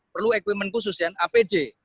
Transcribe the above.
perlu equipment khusus apd